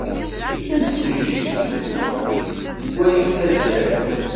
Imsujji ssnen-t akk wayt taddart.